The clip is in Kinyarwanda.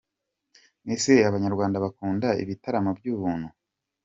Ese Abanyarwanda bakunda ibitaramo by’ubuntu?